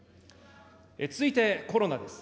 続いてコロナです。